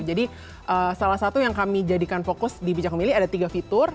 jadi salah satu yang kami jadikan fokus di bijak memilih ada tiga fitur